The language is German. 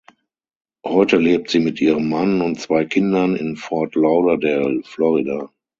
Heute lebt sie mit ihrem Mann und zwei Kindern in Fort Lauderdale, Florida.